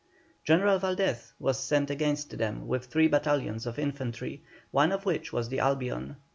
General Valdez was sent against them, with three battalions of infantry, one of which was the Albion.